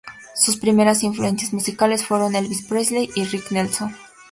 Sus primeras influencias musicales fueron Elvis Presley y Ricky Nelson.